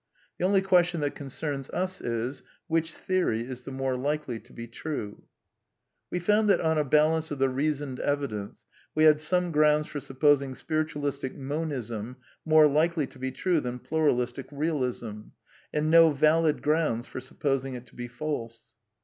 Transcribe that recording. The only question that concerns ma is: Which theory is the more likely to he true I We found that on a halance of the reasoned evidence we had some grounds for supposing Spiritualistic Monism more likely to he true than Pluralistic Bealism, and no ▼alid grounds for supposing it to he false.